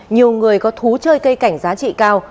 nhiều người có thú chơi cây cảnh giá trị cao